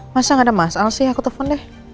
masa gak ada masalah sih aku telpon deh